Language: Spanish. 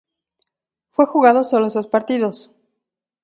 Fue jugado sólo esos partidos.